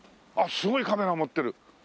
すごいカメラ持ってる。